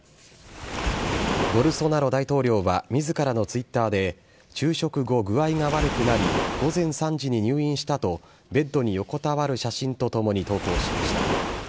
ボルソナロ大統領はみずからのツイッターで、昼食後、具合が悪くなり午前３時に入院したと、ベッドに横たわる写真とともに投稿しました。